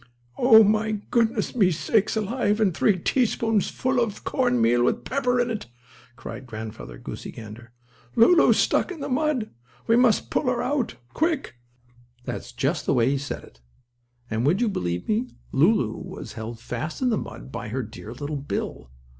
"Oh, my goodness me sakes alive, and three teaspoonsfull of corn meal with pepper in!" cried Grandfather Goosey Gander. "Lulu is stuck in the mud! We must pull her out. Quick!" That's just the way he said it. And, would you believe me, Lulu was held fast in the mud by her dear little bill!